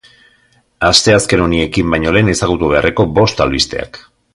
Asteazken honi ekin baino lehen ezagutu beharreko bost albisteak.